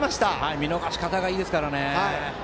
見逃し方がいいですからね。